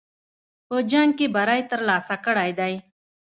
په جنګ کې بری ترلاسه کړی دی.